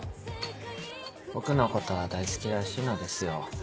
僕のことは大好きらしいのですよ。